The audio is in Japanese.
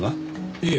いえ。